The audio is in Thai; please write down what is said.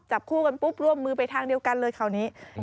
จับคู่กันปุ๊บร่วมมือไปทางเดียวกันเลยคราวนี้